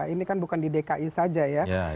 ini kan bukan di dki saja ya